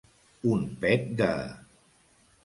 Un pet de.